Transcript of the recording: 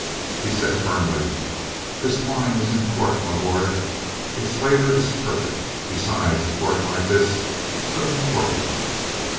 He said firmly: "This wine isn't corked, m'lord. Its flavour is perfect. Besides, a cork like this couldn't cork it."